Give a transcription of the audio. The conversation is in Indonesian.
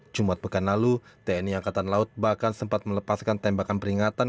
jumat pekan lalu tni angkatan laut bahkan sempat melepaskan tembakan peringatan